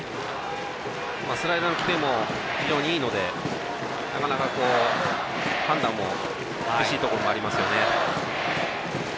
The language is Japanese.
スライダーのキレも非常にいいのでなかなか判断も厳しいところもありますよね。